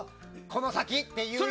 この先っていう。